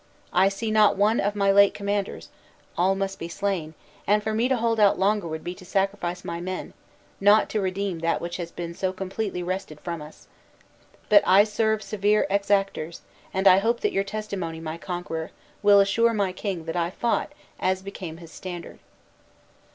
I see not one of my late commanders all must be slain; and for me to hold out longer would be to sacrifice my men, not to redeem that which has been so completely wrested from us. But I serve severe exactors, and I hope that your testimony, my conqueror, will assure my king that I fought as became his standard."